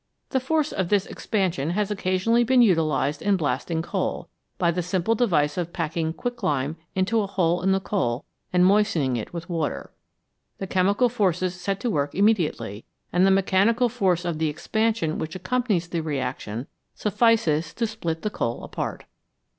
The force of this ex pansion has occasionally been utilised in blasting coal, by the simple device of packing quicklime into a hole in the coal and moistening it with water. The chemical forces set to work immediately, and the mechanical force of the expansion which accompanies the reaction suffices to split the coal apart.